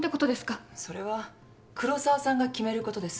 それは黒澤さんが決めることです。